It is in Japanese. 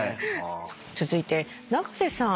続いて永瀬さん